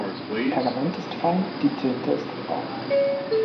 Pergament ist fein, die Tinte ist braun.